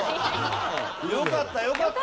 よかったよかった。